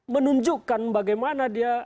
menunjukkan bagaimana dia